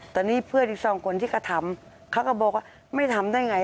แต่นี่เพื่อนอีกสองคนที่ก็ถามเขาก็บอกว่าไม่ทำได้อย่างไร